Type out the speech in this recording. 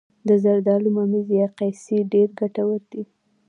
د زردالو ممیز یا قیسی ډیر ګټور دي.